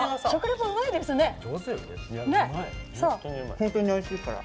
ホントにおいしいから。